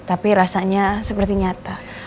tapi rasanya seperti nyata